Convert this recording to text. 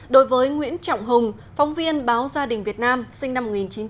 đối với nguyễn trọng hùng phóng viên báo gia đình việt nam sinh năm một nghìn chín trăm tám mươi